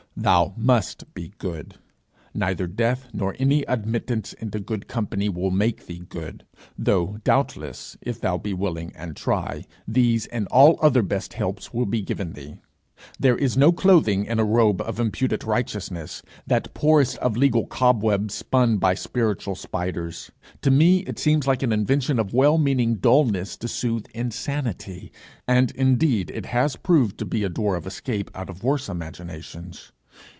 Thou must be good; neither death nor any admittance into good company will make thee good; though, doubtless, if thou be willing and try, these and all other best helps will be given thee. There is no clothing in a robe of imputed righteousness, that poorest of legal cobwebs spun by spiritual spiders. To me it seems like an invention of well meaning dulness to soothe insanity; and indeed it has proved a door of escape out of worse imaginations.